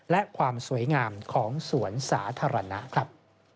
และความสวยงามของสวนสาธารณะครับ